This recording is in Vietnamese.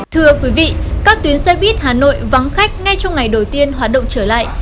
thưa quý vị các tuyến xe buýt hà nội vắng khách ngay trong ngày đầu tiên hoạt động trở lại